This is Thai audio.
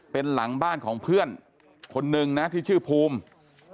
เป็นหลังบ้านของเพื่อนคนนึงนะที่ชื่อภูมิ